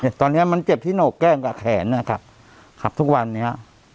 ตอนเนี้ยมันเจ็บที่โหนกแก้มกับแขนนะครับครับทุกวันนี้